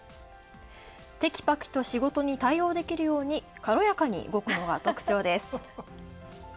テキパキと仕事に対応できるようにかろやかに動くのが特徴です。